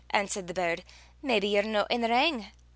answered the bird, Maybe ye're no i' the wrang.